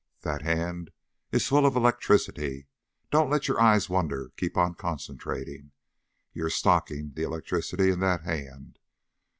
That hand is full of electricity. Don't let your eyes wander. Keep on concentrating. You're stocking the electricity in that hand.